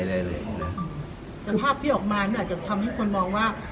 แต่ภาพที่ออกมานี่อาจจะทำให้คนมองว่า